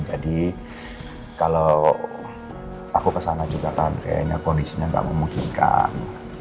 jadi kalau aku kesana juga kan kayaknya kondisinya gak memungkinkan